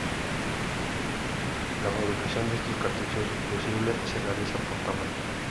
La fabricación de estos cartuchos fusible se realiza por tamaños.